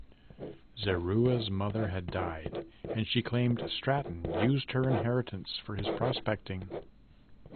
Zeruah's mother had died and she claimed Stratton used her inheritence for his prospecting.